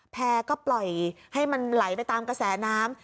แพร่ก็ปล่อยให้มันไหลไปตามกระแสน้ำ